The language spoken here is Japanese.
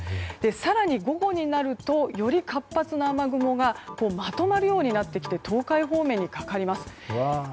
更に午後になるとより活発な雨雲がまとまるようになってきて東海方面にかかります。